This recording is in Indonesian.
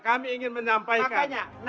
kami ingin menyampaikan